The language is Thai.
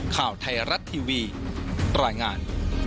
ข่าวไทยรัฐทีวีรายงาน